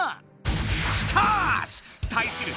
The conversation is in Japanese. しかし！対する